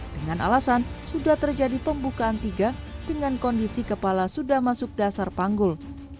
dengan alasan sudah terjadi pembukaan tiga dengan kondisi kepala sudah masuk dasar panggul